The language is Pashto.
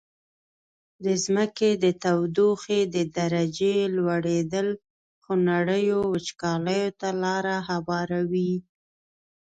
د ځمکي د تودوخي د درجي لوړیدل خونړیو وچکالیو ته لاره هواروي.